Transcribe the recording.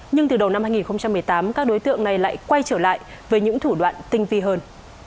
nhưng từ đầu năm hai nghìn một mươi tám các đối tượng này lại quay trở lại với những thủ đoạn tinh vi hơn